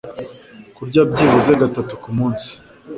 Kurya byibuze gatatu ku munsi